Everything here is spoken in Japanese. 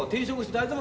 大丈夫？